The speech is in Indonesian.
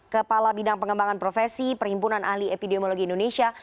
kepala bidang pengembangan profesi perhimpunan ahli epidemiologi indonesia